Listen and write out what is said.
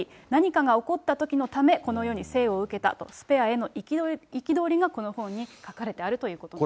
起こったときのため、この世に生を受けたと、スペアへの憤りがこの本に書かれてあるということなんです。